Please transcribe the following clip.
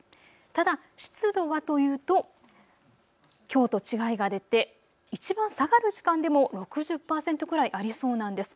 ただ湿度はというときょうと違いが出て、いちばん下がる時間でも６０％くらいありそうなんです。